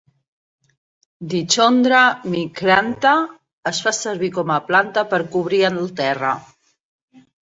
"Dichondra micrantha" es fa servir com a planta per cobrir el terra.